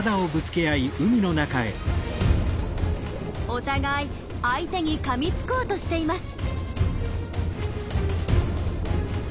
お互い相手にかみつこうとしています。